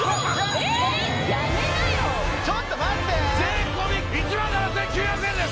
やめなよちょっと待って税込１万７９００円です